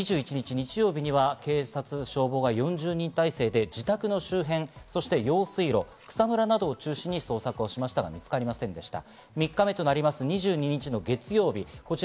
翌２１日、日曜日に警察・消防４０人態勢で自宅の周辺、そして用水路、草むらなどを中心に捜索しましたが見つかりませんでした。